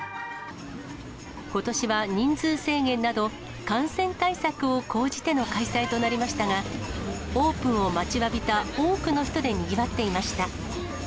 ことしは人数制限など、感染対策を講じての開催となりましたが、オープンを待ちわびた多くの人でにぎわっていました。